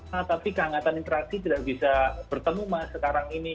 nah tapi kehangatan interaksi tidak bisa bertemu mas sekarang ini